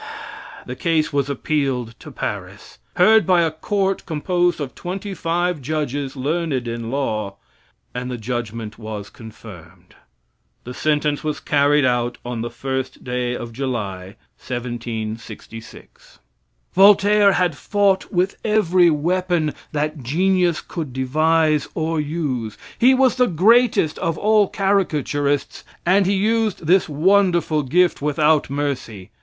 The case was appealed to Paris; heard by a court composed of twenty five judges learned in law, and the judgment was confirmed. The sentence was carried out on the 1st day of July, 1766. Voltaire had fought with every weapon that genius could devise or use. He was the greatest of all caricaturists, and he used this wonderful gift without mercy.